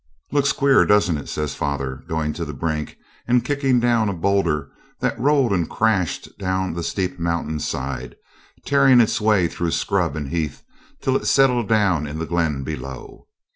'Looks queer, doesn't it?' says father, going to the brink and kicking down a boulder, that rolled and crashed down the steep mountain side, tearing its way through scrub and heath till it settled down in the glen below.